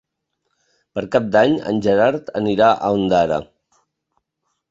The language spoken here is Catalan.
Per Cap d'Any en Gerard anirà a Ondara.